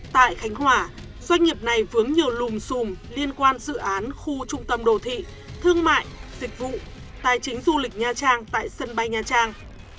tại khánh hòa doanh nghiệp này vướng nhiều lùm xùm liên quan dự án khu trung tâm đồ thị thương mại dịch vụ tài chính du lịch nha trang tại sân bay nha trang